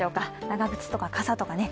長靴とか傘とかね。